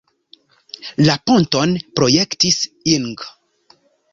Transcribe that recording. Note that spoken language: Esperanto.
La ponton projektis Ing.